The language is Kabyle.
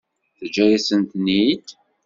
Teǧǧa-yasent-ten-id?